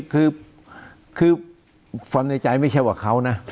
คือความในใจไม่เชื่อกับเขานะ